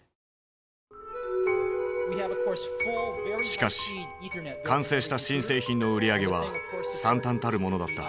しかし完成した新製品の売り上げはさんたんたるものだった。